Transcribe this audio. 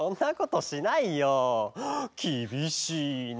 きびしいな。